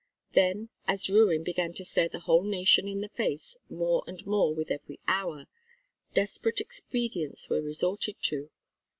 Then as ruin began to stare the whole nation in the face more and more with every hour, desperate expedients were resorted to.